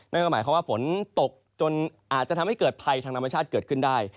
นั่นก็หมายความว่าฝนตกจนอาจจะทำให้เกิดภัยทางธรรมชาติเกิดขึ้นได้